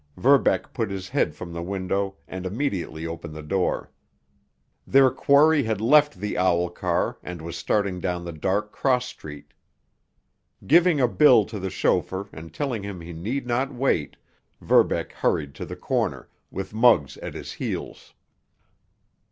Verbeck put his head from the window and immediately opened the door. Their quarry had left the owl car and was starting down the dark cross street. Giving a bill to the chauffeur and telling him he need not wait, Verbeck hurried to the corner, with Muggs at his heels.